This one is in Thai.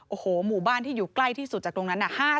โอ้โหหมู่บ้านที่อยู่ใกล้ที่สุดจากตรงนั้นน่ะ